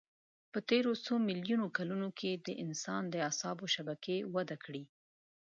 په تېرو څو میلیونو کلونو کې د انسان د اعصابو شبکې وده کړه.